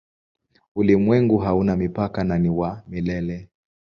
Ulimwengu hauna mipaka na ni wa milele.